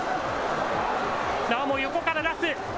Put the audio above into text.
なおも横から出す。